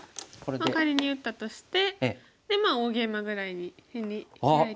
まあ仮に打ったとしてで大ゲイマぐらいに辺にヒラいておいて。